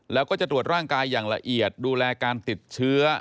แล้วก็จะตรวจร่างกายอย่างละเอียดดูแลการติดเชื้อ